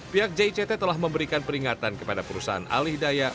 pihak jict telah memberikan peringatan kepada perusahaan alih daya